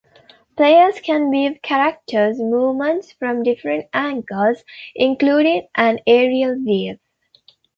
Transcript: Players can view characters' movement from different angles, including an aerial view.